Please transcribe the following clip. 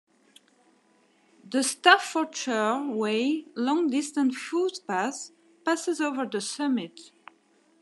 The Staffordshire Way long-distance footpath passes over the summit.